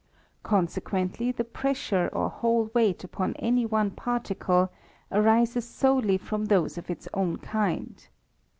Con sequently, the pressure or whole weight upon any one particle arises solely from those of its own kind.